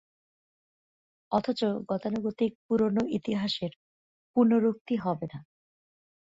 অথচ গতানুগতিক পুরোনো ইতিহাসের পুনরুক্তি হবে না।